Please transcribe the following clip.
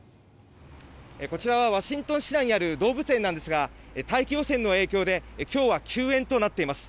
こちらはワシントン市内にある動物園なんですが大気汚染の影響で今日は休園となっています。